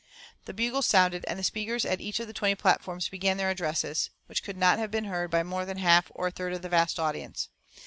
The bugles sounded, and the speakers at each of the twenty platforms began their addresses, which could not have been heard by more than half or a third of the vast audience.